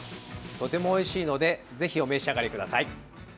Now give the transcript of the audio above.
とてもおいしいのでぜひお召し上がりください。